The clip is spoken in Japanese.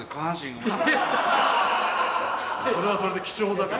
それはそれで貴重だけど。